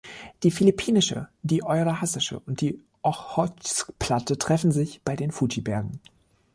Die Philippinische, die Eurasische und die Ochotsk-Platte treffen sich bei den Fuji-Bergen.